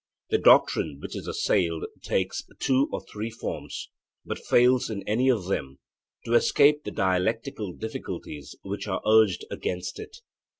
The doctrine which is assailed takes two or three forms, but fails in any of them to escape the dialectical difficulties which are urged against it.